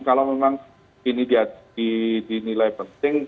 kalau memang ini di nilai penting